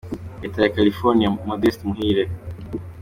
Leta ya California : Modeste Muhire.